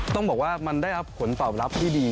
ต้องบอกว่ามันได้รับผลตอบรับที่ดี